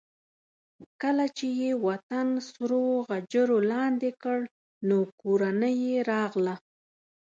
کله چې یې وطن سرو غجرو لاندې کړ نو کورنۍ یې راغله.